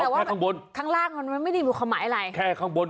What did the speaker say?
แต่ข้างล่างไม่รู้คำหมายอะไร